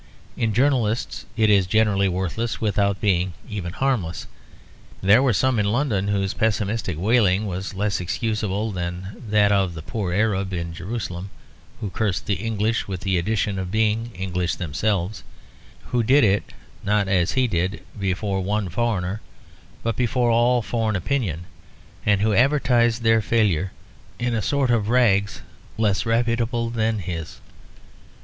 In journalists it is generally worthless without being even harmless. There were some in London whose pessimistic wailing was less excusable than that of the poor Arab in Jerusalem; who cursed the English with the addition of being English themselves, who did it, not as he did, before one foreigner, but before all foreign opinion; and who advertised their failure in a sort of rags less reputable than his.